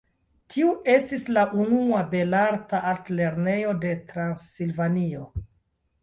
Tiu estis la unua belarta altlernejo de Transilvanio.